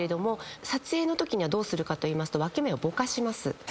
撮影のときにはどうするかといいますと分け目ぼかします。